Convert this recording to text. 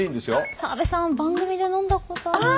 澤部さん番組で飲んだことある。